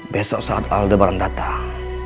besok saat aldebaran datang